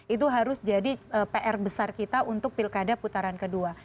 itu harus jadi pr besar kita untuk pilkada putaran kedua